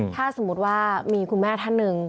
ถ้าสมมุติว่ามีคุณแม่ท่านหนึ่ง